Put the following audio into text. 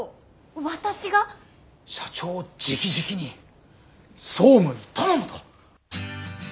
社長じきじきに総務に頼むと。